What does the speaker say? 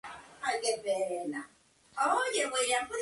Y para ello tiene que preparar a un nigromante.